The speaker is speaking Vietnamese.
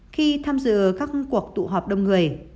khi tham dự các cuộc tụ họp đông người